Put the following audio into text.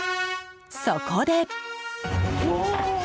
そこで。